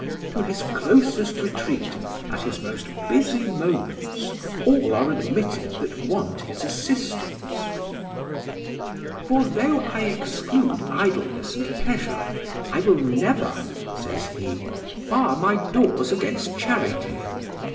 To his closest retreat, at his most busy moments, all are admitted that want his assistance; 'For though I exclude idleness and pleasure, I will never,' says he, 'bar my doors against charity.